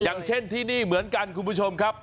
อย่างเช่นที่นี่เหมือนกันคุณผู้ชมครับ